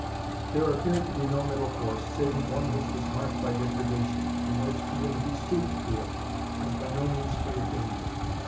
There appeared no middle course, saving one which was marked by degradation, and which, even if he stooped to it, was by no means free of danger.